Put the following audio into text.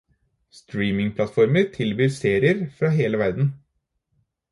Streamingplattformer tilbyr serier fra hele verden.